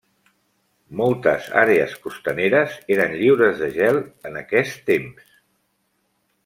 Moltes àrees costaneres eren lliures de gel en aquest temps.